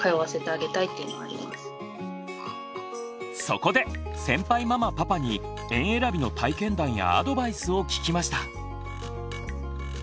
そこで先輩ママパパに園えらびの体験談やアドバイスを聞きました。